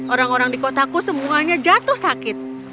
orang orang di kotaku semuanya jatuh sakit